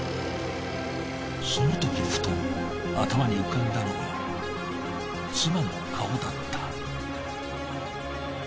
そのときふと頭に浮かんだのは妻の顔だった。